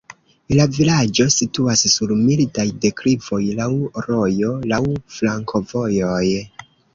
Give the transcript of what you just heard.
La vilaĝo situas sur mildaj deklivoj, laŭ rojo, laŭ flankovojoj.